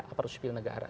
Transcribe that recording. aparus sipil negara